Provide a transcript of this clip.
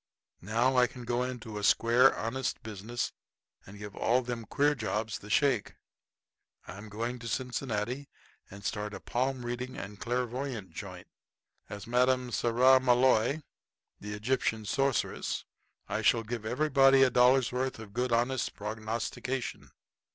"Now I can go into a square, honest business, and give all them queer jobs the shake. I'm going to Cincinnati and start a palm reading and clairvoyant joint. As Madame Saramaloi, the Egyptian Sorceress, I shall give everybody a dollar's worth of good honest prognostication.